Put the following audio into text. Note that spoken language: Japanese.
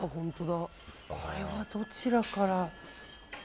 これはどちらから。